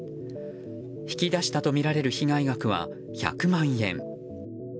引き出したとみられる被害額は１００万円。